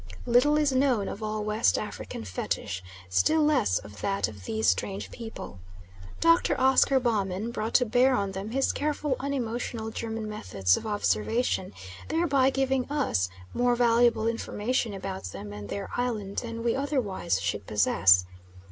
Little is known of all West African fetish, still less of that of these strange people. Dr. Oscar Baumann brought to bear on them his careful unemotional German methods of observation, thereby giving us more valuable information about them and their island than we otherwise should possess.